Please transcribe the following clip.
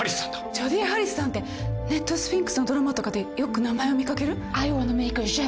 ジョディ・ハリスさんってネットスフィンクスのドラマとかでよく名前を見掛ける？